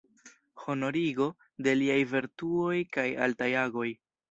Honorigo de liaj vertuoj kaj altaj agoj.